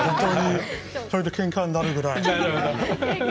それで、けんかになるぐらい。